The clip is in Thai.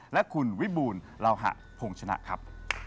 และคุณวิบูลลาวหะพงชนะครับ